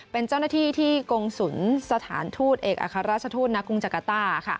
เป็นเจ้าหน้าที่ที่กงศุลสถานทูตเอกอัครราชทูตณกรุงจักรต้า